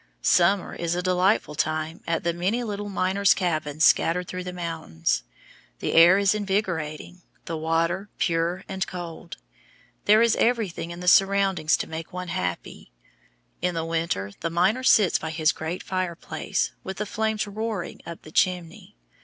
Summer is a delightful time at the many little miners' cabins scattered through the mountains. The air is invigorating, the water pure and cold. There is everything in the surroundings to make one happy. In the winter the miner sits by his great fireplace, with the flames roaring up the chimney.